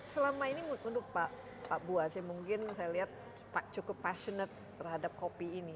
selama ini menurut pak buas mungkin saya lihat pak cukup passionate terhadap kopi ini